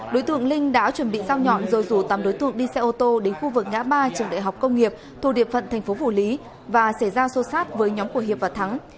đối tượng linh đã chuẩn bị sao nhỏ rồi rủ tám đối tượng đi xe ô tô đến khu vực ngã ba trường đại học công nghiệp thu địa phận thành phố phủ lý và xảy ra xô xát với nhóm của hiệp và thắng